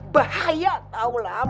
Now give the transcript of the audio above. bahaya tau lah